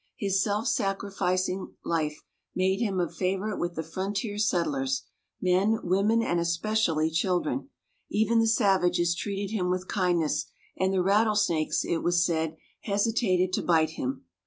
His self sacrificing life made him a favorite with the frontier settlers men, women, and especially children; even the savages treated him with kindness, and the rattlesnakes, it was said, hesitated to bite him.